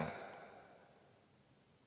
ini juga tidak benar